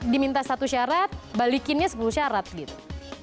diminta satu syarat balikinnya sepuluh syarat gitu